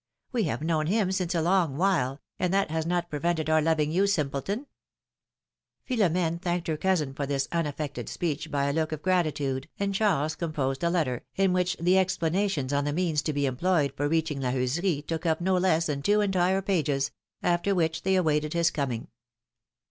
We have known him since a long while, and that has not prevented our loving you, simpleton !" Philomene thanked her cousin for this unaffected speech by a look full of gratitude, and Charles composed a letter, in which the explanations on the means to be employed for reaching La Heuserie took up no less than two entire pages ; after which they awaited his coming.